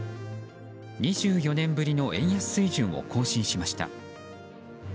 ２４年ぶりの円安水準を更新しました。